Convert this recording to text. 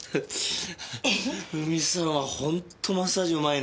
文さんはホントマッサージうまいね。